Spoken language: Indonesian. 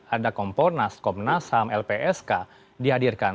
ada komponas komnas ham lpsk dihadirkan